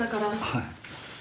はい。